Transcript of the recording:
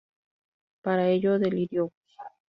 Para ello Delirious?